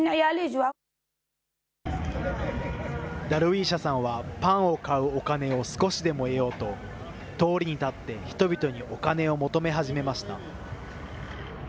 ダルウィーシャさんは、パンを買うお金を少しでも得ようと、通りに立って人々にお金を求め始めました。